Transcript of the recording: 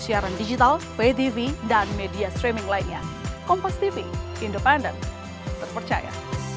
siaran digital ptv dan media streaming lainnya kompas tv independent terpercaya